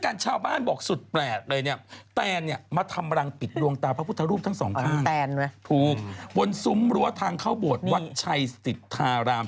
พระลูกลักษณ์พระลูกวัดเนี่ย